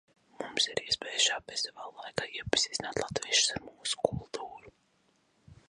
Mums ir iespēja šā festivāla laikā iepazīstināt latviešus ar mūsu kultūru.